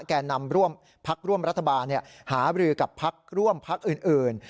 แก่นำพักร่วมรัฐบาลหาบรือกับพักร่วมพักอื่น